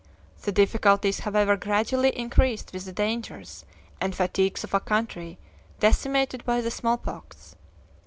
The difficulties, however, gradually increased with the dangers and fatigues of a country decimated by the smallpox.